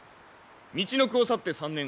みちのくを去って３年。